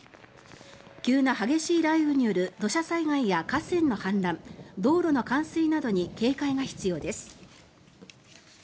急な激しい雷雨による土砂災害や河川の氾濫道路の冠水などに警戒が必要です。